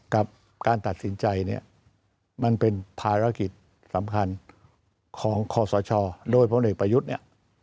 กับการตัดสินใจเนี่ยมันเป็นภารกิจสำคัญของคอสชโดยพลเอกประยุทธ์เนี่ย